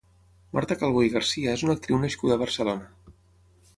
Marta Calvó i García és una actriu nascuda a Barcelona.